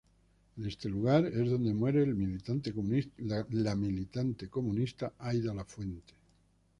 En este lugar es dónde muere la militante comunista Aida Lafuente.